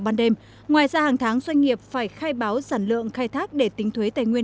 ban đêm ngoài ra hàng tháng doanh nghiệp phải khai báo sản lượng khai thác để tính thuế tài nguyên